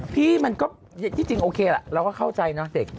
พี่มันก็ที่จริงโอเคล่ะเราก็เข้าใจนะเด็ก